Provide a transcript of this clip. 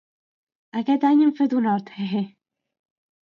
Aquest any hem fet un hort, hehe.